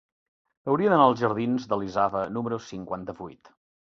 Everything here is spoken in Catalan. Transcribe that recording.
Hauria d'anar als jardins d'Elisava número cinquanta-vuit.